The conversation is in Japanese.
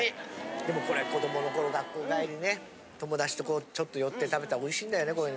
でもこれ子どもの頃学校帰りにね友達とこうちょっと寄って食べたらおいしいんだよね。